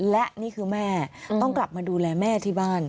และนี่คือแม่ต้องกลับมาดูแลแม่ที่บ้าน